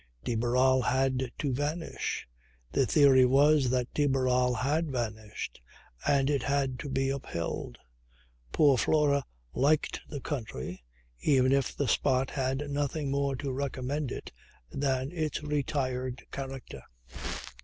De Barral had to vanish; the theory was that de Barral had vanished, and it had to be upheld. Poor Flora liked the country, even if the spot had nothing more to recommend it than its retired character.